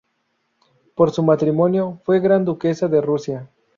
Por su matrimonio, fue gran duquesa de Rusia.